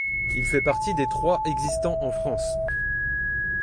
Il fait partie des trois existants en France.